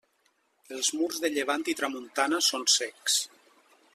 Els murs de llevant i tramuntana són cecs.